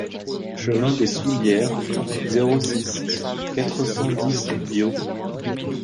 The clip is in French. Chemin des Soullieres, zéro six, quatre cent dix Biot